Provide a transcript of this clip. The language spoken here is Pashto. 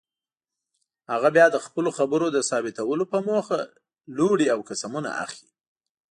هغه بیا د خپلو خبرو د ثابتولو په موخه لوړې او قسمونه اخلي.